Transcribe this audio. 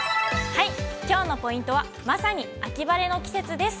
きょうのポイントは、まさに秋晴れの季節です。